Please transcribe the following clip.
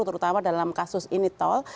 terutama dalam kasus ini tol